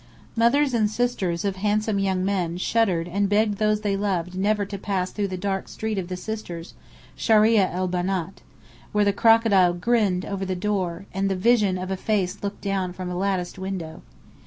Mothers and sisters of handsome young men shuddered and begged those they loved never to pass through the dark Street of the Sisters (Sharia el Benât) where the crocodile grinned over the door, and the vision of a face looked down from a latticed window.